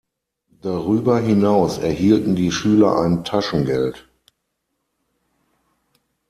Darüber hinaus erhielten die Schüler ein Taschengeld.